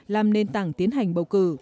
làm nền tảng tiến hành bầu cử